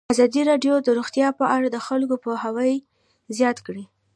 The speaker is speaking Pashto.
ازادي راډیو د روغتیا په اړه د خلکو پوهاوی زیات کړی.